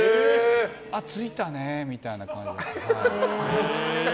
着いたねみたいな感じだった。